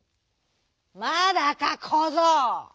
「まだかこぞう！」。